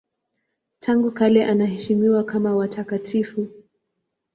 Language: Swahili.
Tangu kale anaheshimiwa kama watakatifu.